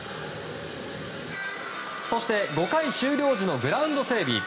そして５回終了時のグラウンド整備。